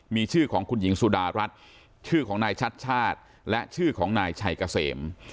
มีชื่อของคุณหญิงสุดารัฐชื่อของนายชัดชาติและชื่อของนายชัยเกษม